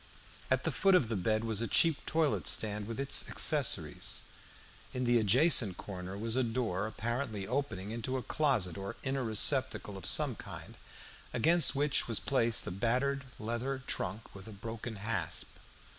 At the foot of the bed was a cheap toilet stand, with its accessories. In the adjacent corner was a door apparently opening into a closet or inner receptacle of some kind, against which was placed a battered leather trunk with a broken hasp.